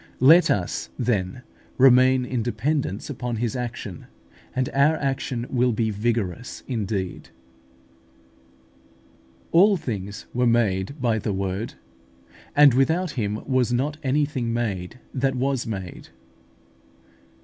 24). Let us, then, remain in dependence upon His action, and our action will be vigorous indeed. "All things were made by (the Word); and without Him was not anything made that was made" (John i.